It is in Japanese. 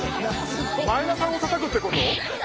前田さんをたたくってこと？